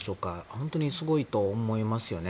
本当にすごいと思いますよね。